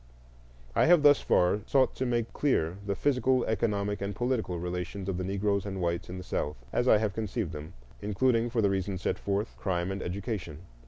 I have thus far sought to make clear the physical, economic, and political relations of the Negroes and whites in the South, as I have conceived them, including, for the reasons set forth, crime and education.